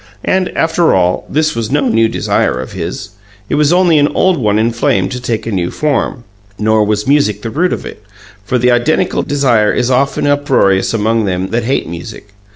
And, after all, this was no new desire of his; it was only an old one inflamed to take a new form. Nor was music the root of it, for the identical desire is often uproarious among them that hate music.